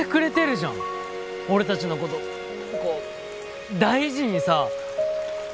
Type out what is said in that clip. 俺たちのこと大事にさ。